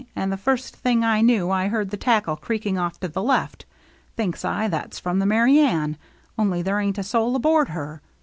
And the first thing I knew I heard the tackle creaking off to the left. Thinks I, that's from the Merry Anne, only there ain't a soul aboard her.